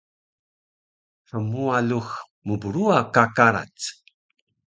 Hmuwa lux mbruwa ka karac?